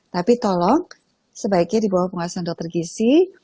tapi tolong sebaiknya di bawah pengawasan dokter gizi